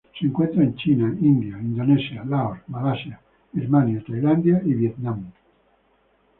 Se encuentra en China, India, Indonesia, Laos, Malasia, Birmania, Tailandia, y Vietnam.